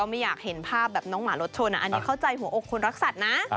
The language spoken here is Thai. ไม่อยากเห็นภาพแบบน้องหมารถชนอันนี้เข้าใจหัวอกคนรักสัตว์นะ